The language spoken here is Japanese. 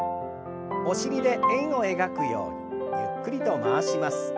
お尻で円を描くようにゆっくりと回します。